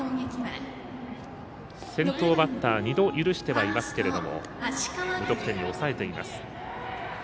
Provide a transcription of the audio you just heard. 先頭バッター２度許してはいますけれども無得点に抑えています。